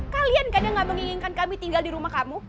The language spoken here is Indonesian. kalian kadang gak menginginkan kami tinggal di rumah kamu